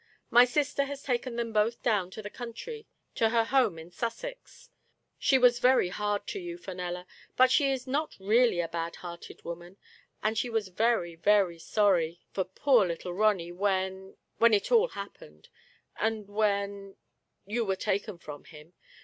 My sister has taken them both down to the country, to her home in Sussex. She was very hard to you, Fenella, but she is not really a bad hearted woman, and she was very, very sorry for poor Digitized by Google I04 THE FA TE OF FENELLA, little Ronny when — when it all happened — and when — ^you were taken from him.